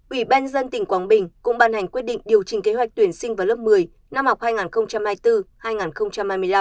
ủy ban dân tỉnh quảng bình cũng ban hành quyết định điều chỉnh kế hoạch tuyển sinh vào lớp một mươi năm học hai nghìn hai mươi bốn hai nghìn hai mươi năm